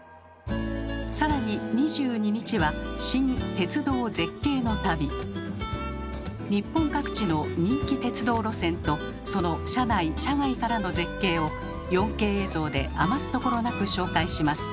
更に日本各地の人気鉄道路線とその車内・車外からの絶景を４Ｋ映像で余すところなく紹介します。